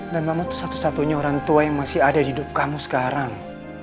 dan mama tuh satu satunya orang tua yang masih ada di hidup kamu sekarang